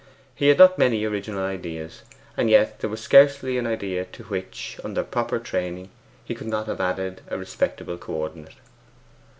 He had not many original ideas, and yet there was scarcely an idea to which, under proper training, he could not have added a respectable co ordinate.